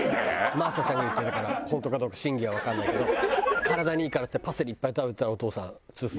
真麻ちゃんが言ってたから本当かどうか真偽はわかんないけど「体にいいからってパセリいっぱい食べてたらお父さん痛風に」。